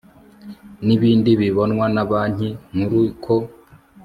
n ibindi bibonwa na Banki Nkuru ko